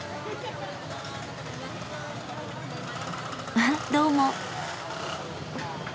あっどうも。